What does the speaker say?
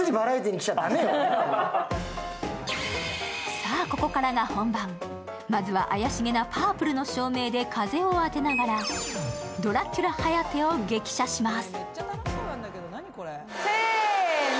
さあ、ここからが本番、まずは怪しげなパープルな照明で風を当てながらドラキュラ颯を激写します。